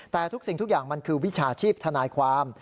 แต่ทุกสิ่งทุกอย่างมันคือวิชาชีพทนายความ